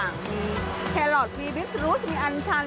มีแคลอร์ตมีบีตรูตรมีอัญจรรย์